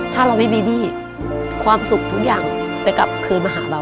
ถ้าเราไม่มีหนี้ความสุขทุกอย่างจะกลับคืนมาหาเรา